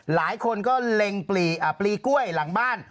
หลายคนก็เล็งปลีกล้วยหลังบ้าน